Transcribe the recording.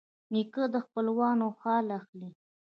نیکه د خپلوانو حال اخلي.